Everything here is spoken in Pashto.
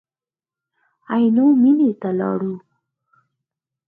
عینو مېنې ته ولاړو.